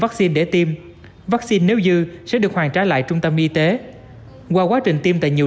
vắc xin để tiêm vắc xin nếu dư sẽ được hoàn trả lại trung tâm y tế qua quá trình tiêm tại nhiều